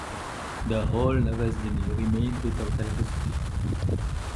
The whole Nevesinje remained without electricity.